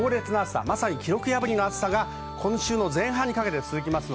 記録破りの暑さが今週の前半にかけて続きます。